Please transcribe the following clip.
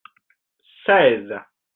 seize.